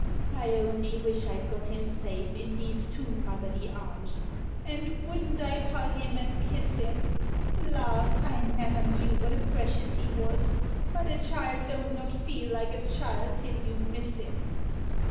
I only wish I 'd got him safe in these two Moth erly arms, and wouldn't I hug him aud kiss him! Lawk! I never knew what a precious he was — but a child don't not feel like a child till you miss him.